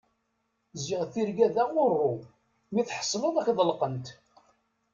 Ziɣ tirga d aɣuṛṛu, mi tḥeṣleḍ ad ak-ḍelqent.